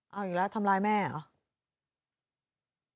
เอาอีกแล้วทำร้ายแม่เหรอ